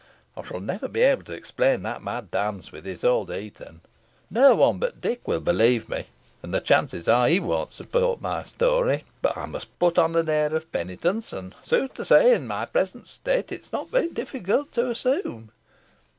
I shall never be able to explain that mad dance with Isole de Heton. No one but Dick will believe me, and the chances are he will not support my story. But I must put on an air of penitence, and sooth to say, in my present state, it is not very difficult to assume."